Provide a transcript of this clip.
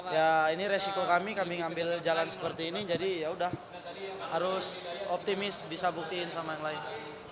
ya ini resiko kami kami ngambil jalan seperti ini jadi yaudah harus optimis bisa buktiin sama yang lain